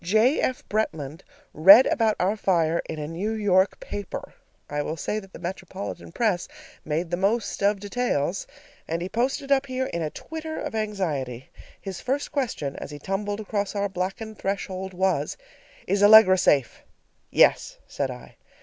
J. F. Bretland read about our fire in a New York paper (I will say that the metropolitan press made the most of details), and he posted up here in a twitter of anxiety. His first question as he tumbled across our blackened threshold was, "Is Allegra safe?" "Yes," said I.